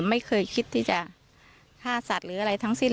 ไม่เคยคิดที่จะฆ่าสัตว์หรืออะไรทั้งสิ้น